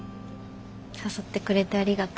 誘ってくれてありがとう。